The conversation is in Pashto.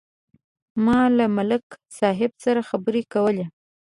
ما له ملک صاحب سره خبرې کولې.